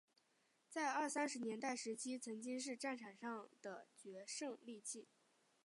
在二三十年代时期曾经是战场上的决胜利器。